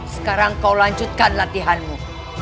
sekarang kau lanjutkan latihanmu